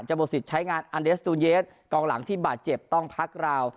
หมดสิทธิ์ใช้งานอันเดสตูนเยสกองหลังที่บาดเจ็บต้องพักราว